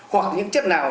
hoặc những chất nào